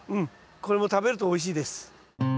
これも食べるとおいしいです。